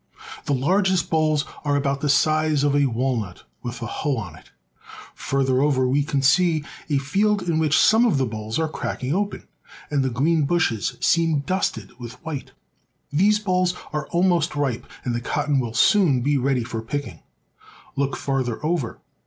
The largest bolls are about the size of a walnut with the hull on it. Farther over we can see a field in which some of the bolls are cracking open, and the green bushes seem dusted with white. These bolls are almost ripe, and the cotton will soon be ready for picking. Look farther over.